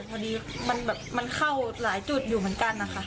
พอดีมันแบบมันเข้าหลายจุดอยู่เหมือนกันนะคะ